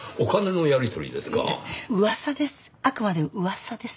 噂です。